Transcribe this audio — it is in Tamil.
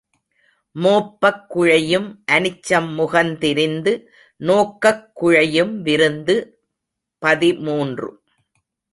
மோப்பக் குழையும் அனிச்சம் முகந்திரிந்து நோக்கக் குழையும் விருந்து பதிமூன்று .